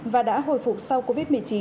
và đã hồi phục sau covid một mươi chín